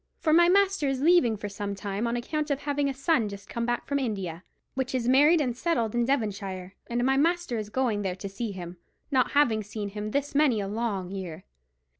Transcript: —for my master is leaving for some time on account of having a son just come home from India, which is married and settled in Devonshire, and my master is going there to see him, not having seen him this many a long year.'